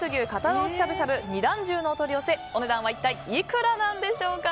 ロースしゃぶしゃぶの２段重のお取り寄せ、お値段は一体いくらなんでしょうか。